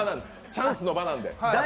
チャンスの場なんで。